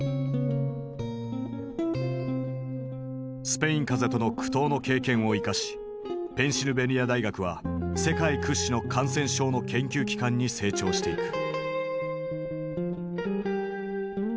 スペイン風邪との苦闘の経験を生かしペンシルベニア大学は世界屈指の感染症の研究機関に成長していく。